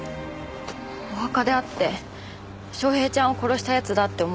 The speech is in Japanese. お墓で会って昌平ちゃんを殺した奴だって思った。